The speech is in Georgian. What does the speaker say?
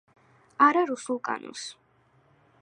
არა რუსულ კანონს